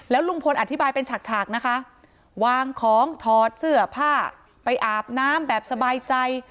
ลุงพลอธิบายเป็นฉากฉากนะคะวางของถอดเสื้อผ้าไปอาบน้ำแบบสบายใจ